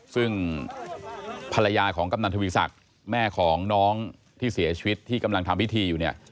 ซึ่งภรรยาของกำนันทวีศักดิ์แม่ของน้องที่เสียชีวิตที่กำลังทำพิธีอยู่เนี่ย